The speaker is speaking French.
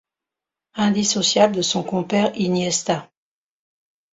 Indissociable de son compère Iniesta.